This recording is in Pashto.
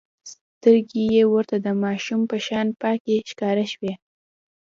سترګې يې ورته د ماشوم په شان پاکې ښکاره شوې.